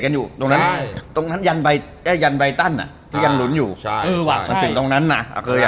เอาที่สบายใจ